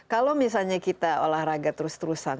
kalau misalnya kita olahraga terus terusan